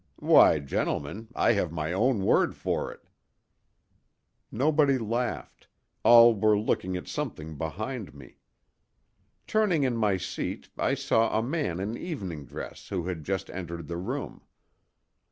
Why, gentlemen, I have my own word for it." Nobody laughed—all were looking at something behind me. Turning in my seat I saw a man in evening dress who had just entered the room.